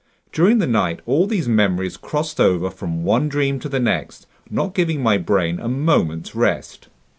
During the night all these memories crossed over from one dream to the next, not giving my brain a moment's rest.